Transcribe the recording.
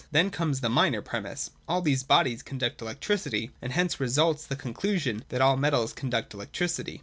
Then comes the minor premiss : All these bodies conduct electricity ; and hence results the conclusion, that all metals conduct electricity.